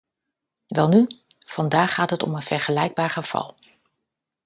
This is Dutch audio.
Welnu, vandaag gaat het om een vergelijkbaar geval.